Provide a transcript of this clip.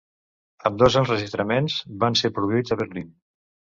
Ambdós enregistraments van ser produïts a Berlín.